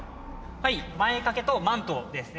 はい前掛けとマントですね。